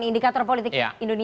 indikator politik indonesia